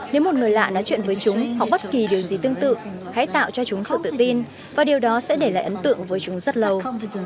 nếu một người lạ nói chuyện với chúng học bất kỳ điều gì tương tự hãy tạo cho chúng sự tự tin và điều đó sẽ để lại ấn tượng với chúng rất lâu